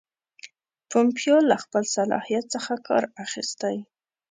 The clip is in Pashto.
پومپیو له خپل صلاحیت څخه کار اخیستی.